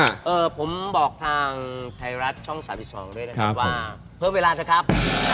อื้อผมบอกทางไทยรัฐช่องสาวที่สุงภาพหน้าที่ว่าเพิ่มเวลานะครับ